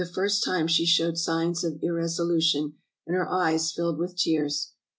For the first time she showed signs of irresolution, and her eyes filled with tears.